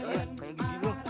kayak gini dulu